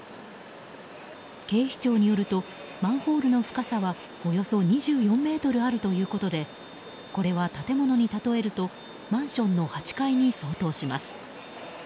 警視庁によるとマンホールの深さはおよそ２４ｍあるということでこれは建物に例えるとマンションの８階に相当します。